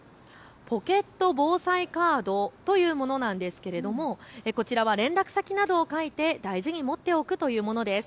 ポケットぼうさいカードというものなんですがこちらは連絡先などを書いて大事に持っておくというものです。